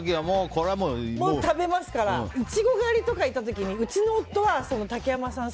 食べますからイチゴ狩りとかに行った時にうちの夫は竹山さん